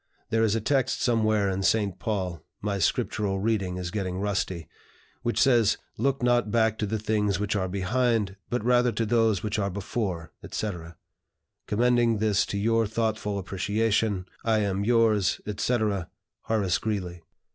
There is a text somewhere in St. Paul my Scriptural reading is getting rusty, which says, 'Look not back to the things which are behind, but rather to those which are before,' etc. Commending this to your thoughtful appreciation, I am, yours, etc. "HORACE GREELEY."